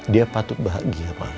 dia patut bahagia mah